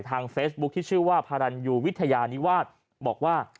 เฟซบุ๊คที่ชื่อว่าพารันยูวิทยานิวาสบอกว่า